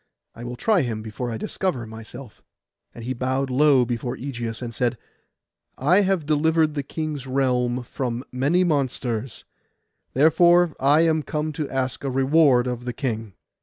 I will try him before I discover myself;' and he bowed low before Ægeus, and said, 'I have delivered the king's realm from many monsters; therefore I am come to ask a reward of the king.